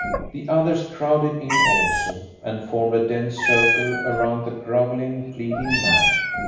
The others crowded in also, and formed a dense circle around the grovelling, pleading man.